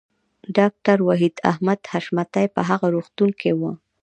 ډاکټر وحید احمد حشمتی په هغه روغتون کې و